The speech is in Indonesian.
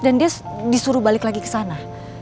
dan dia disuruh balik lagi kesana